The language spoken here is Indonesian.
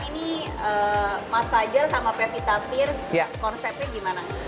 ini mas fajar sama pevita pierce konsepnya gimana